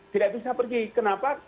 tidak bisa pergi kenapa